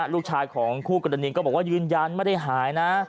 ลูกชายของคู่กรณีก็บอกว่ายืนยันไม่ได้หายนะ